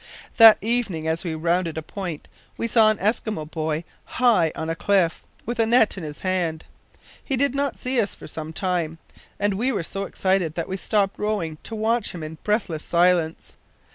"That evening, as we rounded a point, we saw an Eskimo boy high on a cliff, with a net in his hand. He did not see us for some time, and we were so excited that we stopped rowing to watch him in breathless silence.